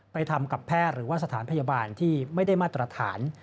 ทำกับแพทย์หรือว่าสถานพยาบาลที่ไม่ได้มาตรฐาน